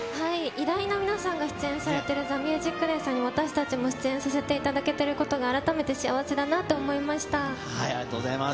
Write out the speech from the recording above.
偉大な皆さんが出演されているＴＨＥＭＵＳＩＣＤＡＹさんに私たちも出演させていただけていることが、ありがとうございます。